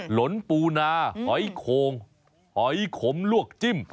หลนปูนาหอยโคงหอยขมลวกจิ้ม